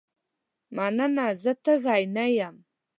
مننه زه تږې نه یم.